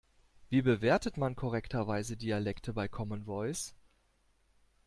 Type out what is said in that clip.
Wie bewertet man korrekterweise Dialekte bei Common Voice?